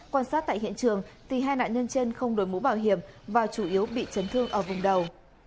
quan sát tại hiện trường hai nạn nhân trên không đổi mũ bảo hiểm và chủ yếu bị chấn thương ở vùng đầu